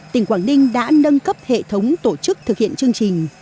tỉnh quảng ninh đã nâng cấp hệ thống tổ chức thực hiện chương trình